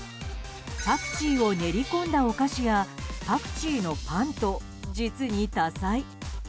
パクチーを練り込んだお菓子やパクチーのパンと実に多彩。